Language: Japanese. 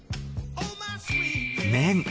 麺。